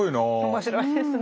面白いですね。